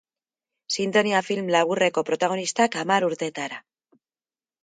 Sintonia film laburreko protagonistak, hamar urtetara.